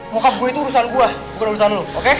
bokap gue itu urusan gue bukan urusan lo oke